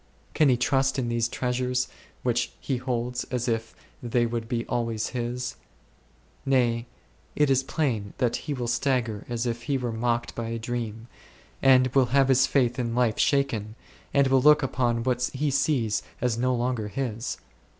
Can he trust in these treasures which he holds as if they would be always his ? Nay, it is plain that he will stagger as if he were mocked by a dream, and will have his faith in life shaken, and will look upon what he sees as no longer his.